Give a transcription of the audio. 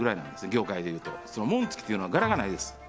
業界で言うと紋付きというのは柄がないです